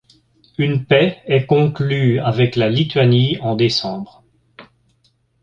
Une paix est conclue avec la Lituanie en décembre.